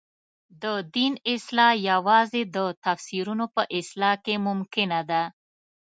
د دین اصلاح یوازې د تفسیرونو په اصلاح کې ممکنه ده.